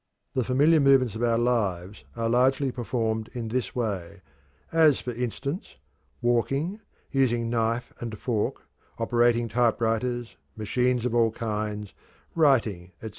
The familiar movements of our lives are largely performed in this way, as, for instance, walking, using knife and fork, operating typewriters, machines of all kinds, writing, etc.